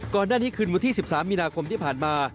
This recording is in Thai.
ก่อนหน้านี้คืนวันที่๑๓มีนาคมที่ผ่านมา